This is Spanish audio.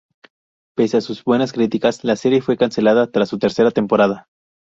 Pese a sus buenas críticas, la serie fue cancelada tras su tercera temporada.